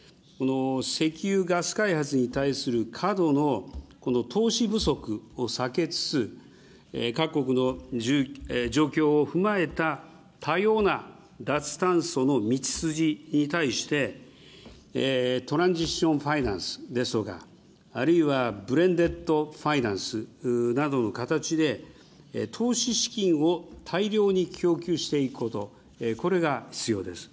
石油ガス開発に対する過度のこの投資不足を避けつつ、各国の状況を踏まえた多様な脱炭素の道筋に対して、トランジションファイナンスですとか、あるいはブレンデッドファイナンスなどの形で、投資資金を大量に供給していくこと、これが必要です。